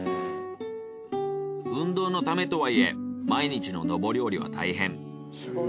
運動のためとはいえ毎日の昇り降りは大変。